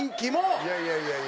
濱家：いやいや、いやいや。